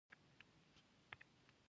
موږ له مالټا قوماندان څخه غواړو.